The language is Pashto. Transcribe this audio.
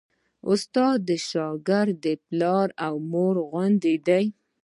استاد د شاګرد پلار او مور غوندې دی.